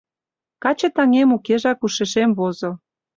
Каче-таҥем укежак ушешем возо.